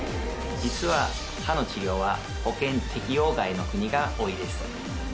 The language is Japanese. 実は歯の治療は保険適用外の国が多いです。